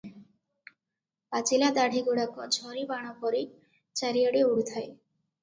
ପାଚିଲା ଦାଢ଼ି ଗୁଡାକ ଝରିବାଣପରି ଚାରିଆଡ଼େ ଉଡୁଥାଏ ।